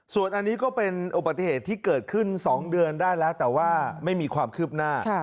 ส่วนอันนี้ก็เป็นอุบัติเหตุที่เกิดขึ้น๒เดือนได้แล้วแต่ว่าไม่มีความคืบหน้า